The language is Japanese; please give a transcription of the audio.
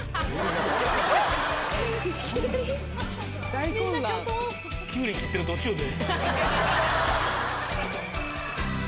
大混乱キュウリ切ってる途中で？